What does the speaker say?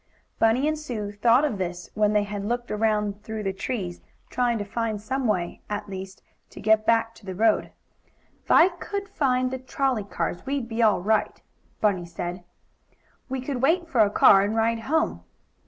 Bunny and Sue thought of this when they had looked around through the trees, trying to find some way to, at least, get back to the road. "If I could find the trolley car tracks we'd be all right," Bunny said. "We could wait for a car and ride home."